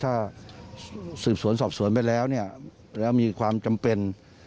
ถ้าสืบสวนสอบสวนไปแล้วเนี่ยแล้วมีความจำเป็น